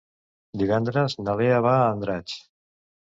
Divendres na Lea va a Andratx.